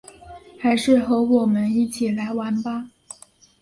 还是和我们一起来玩吧